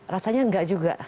rasanya enggak juga